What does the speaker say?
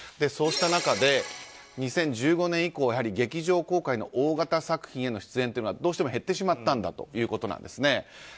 そうした中、２０１５年以降はやはり劇場公開の大型作品への出演というのがどうしても減ってしまったということなんですね。